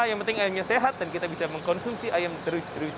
yang penting ayamnya sehat dan kita bisa mengkonsumsi ayam terus